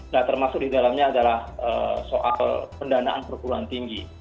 nah termasuk di dalamnya adalah soal pendanaan perguruan tinggi